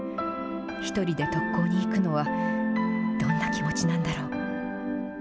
１人で特攻に行くのは、どんな気持ちなんだろう。